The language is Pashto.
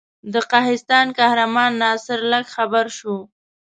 د قهستان حکمران ناصر لک خبر شو.